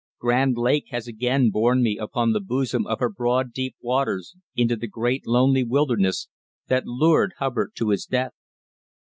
Grand Lake has again borne me upon the bosom of her broad, deep waters into the great lonely wilderness that lured Hubbard to his death.